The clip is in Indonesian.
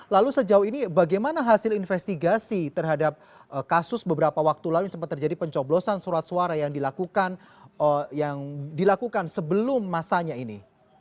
lalu sejauh ini bagaimana hasil investigasi terhadap kasus beberapa waktu lalu sempat terjadi pencoblosan surat suara yang dilakukan sebelum masanya ini